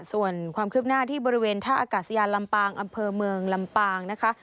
ส่วนความคืบหน้าที่บริเวณท่าอากาศยานลำปางอำเภอเมืองลำปางนะคะ